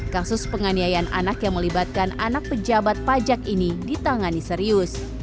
kasus penganiayaan anak yang melibatkan anak pejabat pajak ini ditangani serius